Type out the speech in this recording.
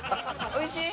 おいしい！